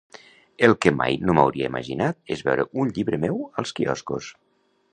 El que mai no m'hauria imaginat és veure un llibre meu als quioscos.